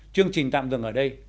chương trình tạm dừng ở đây